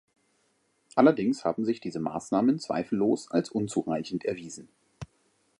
Allerdings haben sich diese Maßnahmen zweifellos als unzureichend erwiesen.